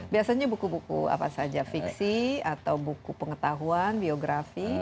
biasanya buku buku apa saja fiksi atau buku pengetahuan biografi